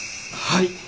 はい。